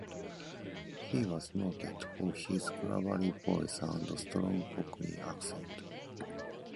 He was noted for his gravelly voice and strong Cockney accent.